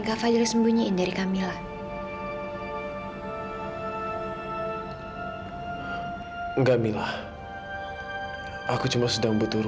kak fadil gak sadar